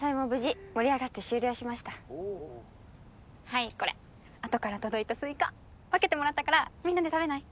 はいこれあとから届いたスイカ分けてもらったからみんなで食べない？